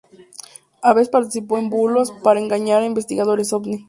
A veces participó en bulos para engañar a investigadores ovni.